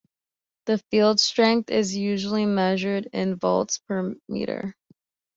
The field strength is usually measured in volts per meter.